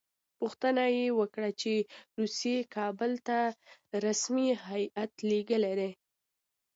پوښتنه یې وکړه چې روسیې کابل ته رسمي هیات لېږلی دی.